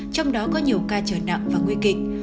trong đó có nhiều ca trở nặng và nguy kịch